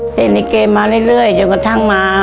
เล่นลิเกมาเรื่อยจนกระทั่งมา